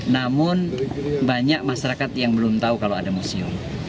namun banyak masyarakat yang belum tahu kalau ada museum